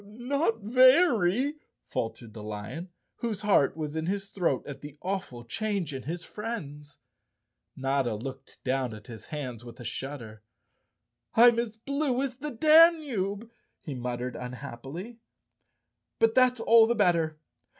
"Not very," faltered the lion, whose heart was in his throat at the awful change in his friends. Notta looked down at his hands with a shudder. "I'm as blue as the Danube," he muttered unhappily. "But that's all the better.